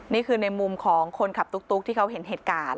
นี่คือในมุมของคนขับตุ๊กที่เขาเห็นเหตุการณ์